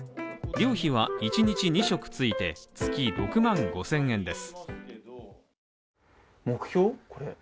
寮費は１日２食ついて月６万５０００円です。